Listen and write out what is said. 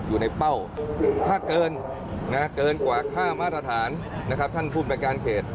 อยู่ในเป้าถ้าเกินเกินกว่าค่ามาตรฐานนะครับท่านผู้บริการเขต